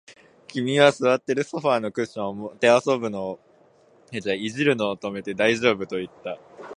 君は座っているソファーのクッションを弄るのを止めて、大丈夫と言った